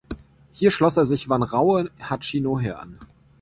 Hier schloss er sich Vanraure Hachinohe an.